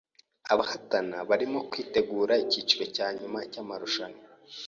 Abahatana barimo kwitegura icyiciro cya nyuma cyamarushanwa.